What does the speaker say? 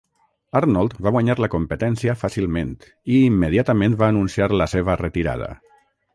Arnold va guanyar la competència fàcilment i immediatament va anunciar la seva retirada.